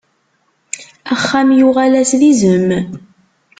Axxam yuɣal-as d izem.